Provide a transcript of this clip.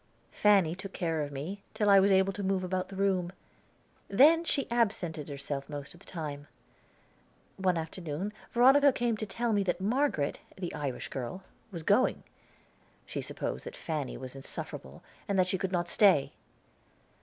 Fanny took care of me till I was able to move about the room, then she absented herself most of the time. One afternoon Veronica came to tell me that Margaret, the Irish girl, was going; she supposed that Fanny was insufferable, and that she could not stay.